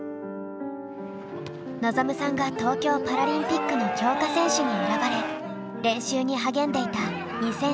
望さんが東京パラリンピックの強化選手に選ばれ練習に励んでいた２０１９年ももこさんが妊娠。